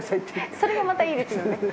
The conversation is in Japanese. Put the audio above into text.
それがまたいいですよね。